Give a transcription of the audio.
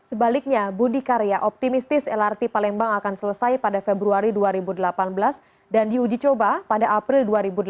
sebaliknya budi karya optimistis lrt palembang akan selesai pada februari dua ribu delapan belas dan diuji coba pada april dua ribu delapan belas